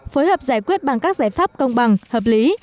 phối hợp giải quyết bằng các giải pháp công bằng hợp lý